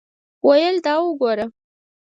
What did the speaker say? ویل دا وګوره.